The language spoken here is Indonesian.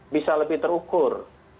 bisa lebih terukur